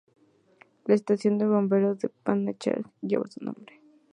La estación de bomberos de Panajachel lleva su nombre.